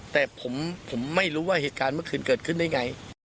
แต่ผมไม่รู้ว่าเหตุการณ์เมื่อคืนเกิดขึ้นได้ไง